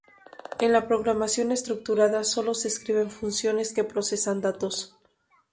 En la programación estructurada solo se escriben funciones que procesan datos.